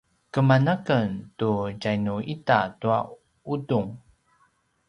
keman a ken tu tjanu ita tua udung